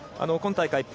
今大会